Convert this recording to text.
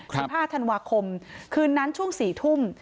สิบห้าธันวาคมคืนนั้นช่วงสี่ทุ่ม